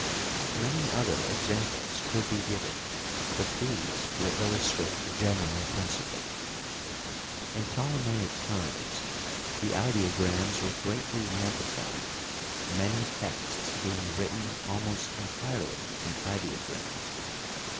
Many other examples could be given, but these will illustrate the general principle. In Ptolemaic times the ideograms were greatly multiplied, many texts being written almost entirely in ideo grams.